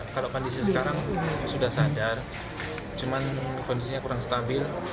kalau kondisi sekarang sudah sadar cuman kondisinya kurang stabil